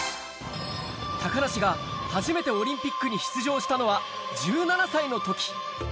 高梨が初めてオリンピックに出場したのは１７歳のとき。